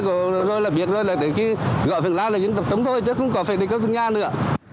thế là để khi gõ phiền la là diễn tập trung thôi chứ không có phải đi cơ cư nha nữa